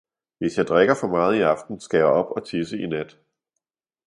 Hvis jeg drikker for meget i aften, skal jeg op og tisse i nat.